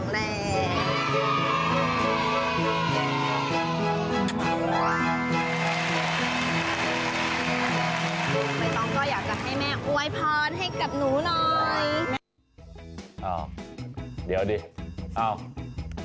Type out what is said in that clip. ไม่ต้องก็อยากจะให้แม่อวยพรให้กับหนูหน่อย